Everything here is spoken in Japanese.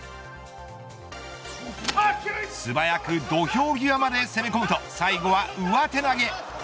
素早く土俵際まで攻め込むと最後は上手投げ。